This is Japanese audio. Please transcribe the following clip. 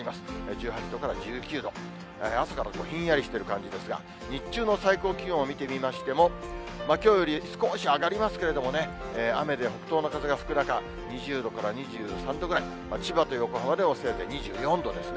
１８度から１９度、朝からひんやりしている感じですが、日中の最高気温を見てみましても、きょうより少し上がりますけれどもね、雨で北東の風が吹く中、２０度から２３度ぐらい、千葉と横浜でもせいぜい２４度ですね。